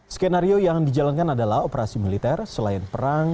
skenario yang dijalankan adalah operasi militer selain perang